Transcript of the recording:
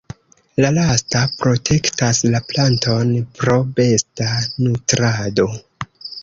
La lasta protektas la planton pro besta nutrado.